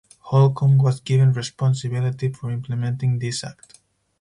Holcombe was given responsibility for implementing this act.